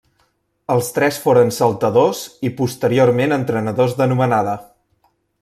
Els tres foren saltadors i posteriorment entrenadors d'anomenada.